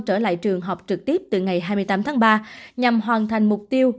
trở lại trường học trực tiếp từ ngày hai mươi tám tháng ba nhằm hoàn thành mục tiêu